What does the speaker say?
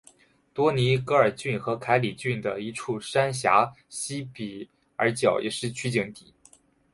多尼戈尔郡和凯里郡的一处山岬西比尔角也是取景地。